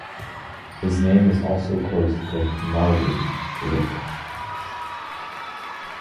His name is also close to "Marwig", lit.